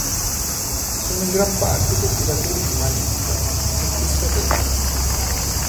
Sono in gran parte coltivatori di manioca e pescatori.